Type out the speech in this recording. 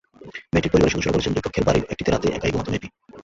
মেয়েটির পরিবারের সদস্যরা বলেছেন, দুই কক্ষের বাড়ির একটিতে রাতে একাই ঘুমাত মেয়েটি।